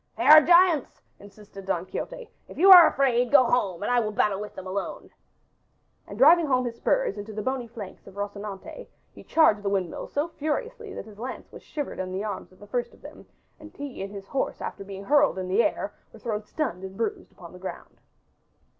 "They are giants," insisted Don Quixote. "If you are afraid, go home and I will battle with them alone." And driving home his spurs into the bony flanks of Rocinante he charged the windmills so furiously that his lance was shivered in the arms of the first of them and he and his horse after being hurled in the air were thrown stunned and bruised upon the ground.